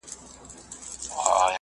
دا زيات وزن لري.